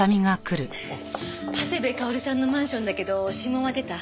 長谷部薫さんのマンションだけど指紋は出た？